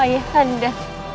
demi allah ayahanda